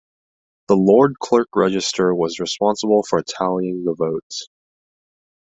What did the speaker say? The Lord Clerk Register was responsible for tallying the votes.